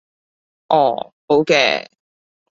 哦，好嘅